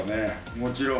もちろん。